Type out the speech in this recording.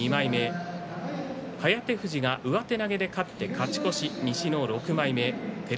颯富士が上手投げで勝って勝ち越し。